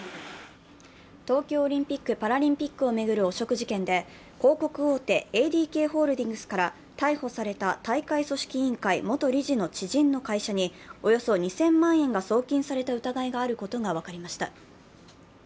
東京オリンピック・パラリンピックを巡る汚職事件で、広告大手、ＡＤＫホールディングスから逮捕された大会組織委員会元理事の知人の会社におよそ２０００万円が送金された疑いがあることが分かりました。